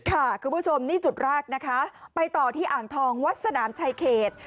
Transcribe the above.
คุณผู้ชมนี่จุดแรกนะคะไปต่อที่อ่างทองวัดสนามชายเขต